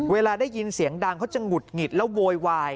เวลาได้ยินเสียงดังเขาจะหงุดหงิดแล้วโวยวาย